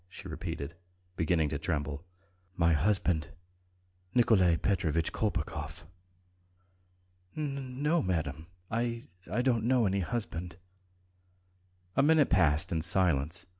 she repeated, beginning to tremble. "My husband, ... Nikolay Petrovitch Kolpakov." "N ... no, madam. ... I ... I don't know any husband." A minute passed in silence.